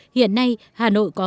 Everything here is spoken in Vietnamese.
hiện nay hà nội có